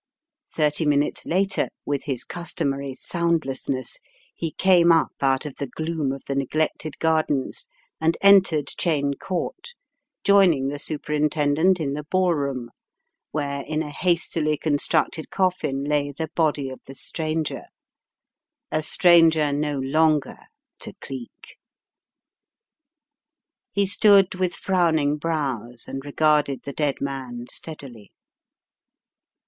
Thirty minutes later, with his customary sound lessness, he came up out of the gloom of the neglected gardens and entered Cheyne Court, joining the Superintendent in the ballroom, where in a hastily constructed coffin lay the body of the stranger — a stranger no longer to Cleek. He stood with frowning brows and regarded the dead man steadily.